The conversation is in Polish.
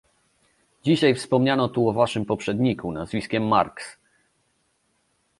Dzisiaj wspomniano tu o waszym poprzedniku nazwiskiem Marks